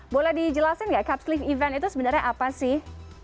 boleh dijelasin nggak cutslift event itu sebenarnya apa sih